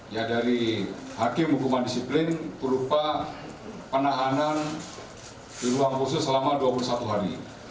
ya dari hakim hukuman disiplin berupa penahanan di ruang khusus selama dua puluh satu hari